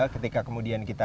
ketika kemudian kita